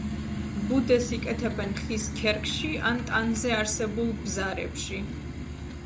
ბუდეს იკეთებენ ხის ქერქში ან ტანზე არსებულ ბზარებში.